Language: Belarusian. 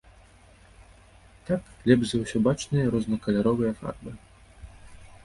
Так лепш за ўсё бачныя рознакаляровыя фарбы.